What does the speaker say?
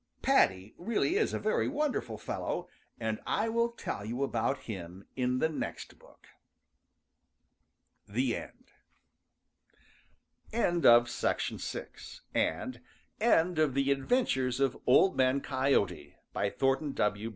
Paddy really is a very wonderful fellow and I will tell you about him in the next book. THE END End of the Project Gutenberg EBook of The Adventures of Old Man Coyote, by Thornton W.